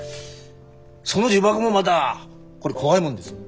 その呪縛もまたこれ怖いもんです。